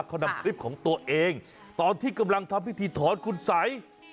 เขานำคลิปของตัวเองตอนที่กำลังทำพิธีถอนคุณสัย